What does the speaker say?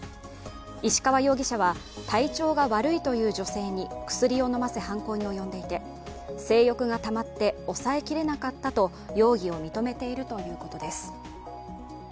石川容疑者は体調が悪いという女性に薬を飲ませ、犯行に及んでいて、性欲がたまって、抑えきれなかったと容疑を認めているということです。